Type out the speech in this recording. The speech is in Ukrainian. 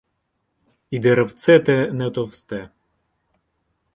І деревце те не товсте.